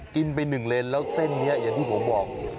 กินไป๑เลนแล้วเส้นนี้อย่างที่ผมบอก